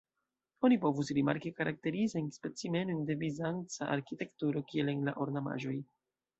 Oni povus rimarki karakterizajn specimenojn de bizanca arkitekturo, kiel en la ornamaĵoj.